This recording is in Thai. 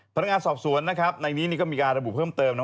พนักงานสอบสวนในนี้ก็มีการระบุเพิ่มเติม